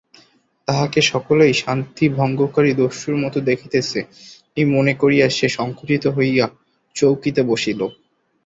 তাহাকে সকলেই শান্তিভঙ্গকারী দস্যুর মতো দেখিতেছে এই মনে করিয়া সে সংকুচিত হইয়া চৌকিতে বসিল।